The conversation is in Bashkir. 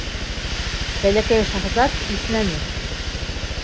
Бәләкәй шаһзат иҫнәне.